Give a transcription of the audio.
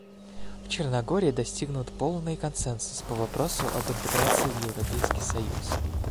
В Черногории достигнут полный консенсус по вопросу об интеграции в Европейский союз.